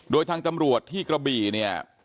โดยทางตำรวจที่กระบี่เนี่ย